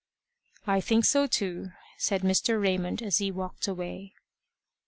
"I think so, too," said Mr. Raymond as he walked away.